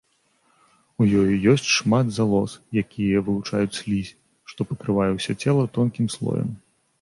У ёй ёсць шмат залоз, якія вылучаюць слізь, што пакрывае ўсё цела тонкім слоем.